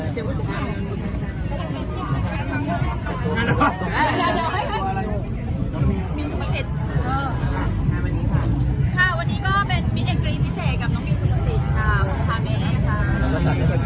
สวัสดีค่ะวันนี้ก็เป็นพิเศษกับน้องมิวสุดสิทธิ์ค่ะของชาเม้ค่ะ